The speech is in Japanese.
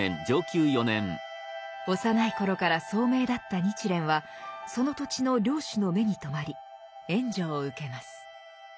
幼い頃から聡明だった日蓮はその土地の領主の目に留まり援助を受けます。